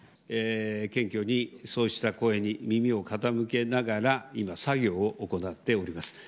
謙虚にそうした声に耳を傾けながら、今、作業を行っております。